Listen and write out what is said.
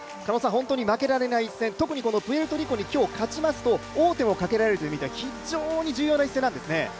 本当に負けられない一戦、特にプエルトリコに今日勝ちますと王手をかけられるという意味では非常に重要な一戦なんですよね。